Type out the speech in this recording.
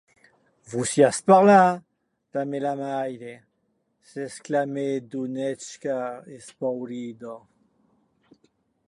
As estat parlant damb era nòsta mair?, exclamèc Dunetchka, espaurida.